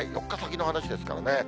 ４日先の話ですからね。